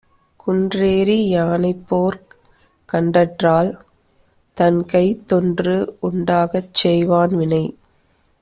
குன்றேறி யானைப்போர் கண்டற்றால், தன்கைத்தொன்று உண்டாகச் செய்வான் வினை.